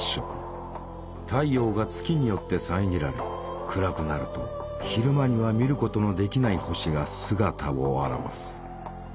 太陽が月によって遮られ暗くなると昼間には見ることのできない星が姿を現す。